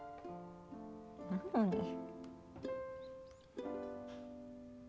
なのに。